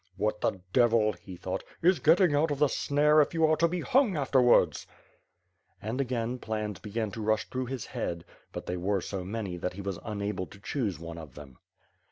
"What the devil," he thought, "is getting out of the snare if you are to be hung afterwards." And again plans began to rush through his head, but they were so many that he was unable to choose one of them.